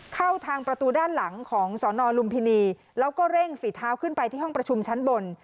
เข้าทางประตูด้านหลังของสนลุมพินีแล้วก็เร่งฝีเท้าขึ้นไปที่ห้องประชุมชั้นบน